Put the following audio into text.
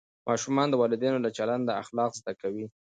ماشومان د والدینو له چلنده اخلاق زده کوي.